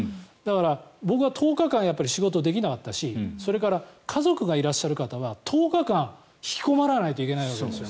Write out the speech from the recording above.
僕は１０日間仕事ができなかったしそれから家族がいらっしゃる方は１０日間引きこもらないといけないわけです。